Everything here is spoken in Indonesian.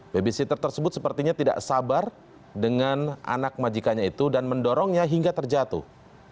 babysitter tersebut sepertinya tidak sabar dengan anak majikanya itu dan mendorongnya hingga terjatuh